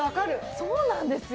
そうなんですよ。